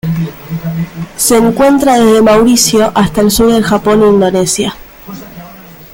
Se encuentra desde Mauricio hasta el sur del Japón y Indonesia.